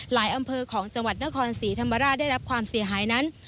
อำเภอของจังหวัดนครศรีธรรมราชได้รับความเสียหายนั้น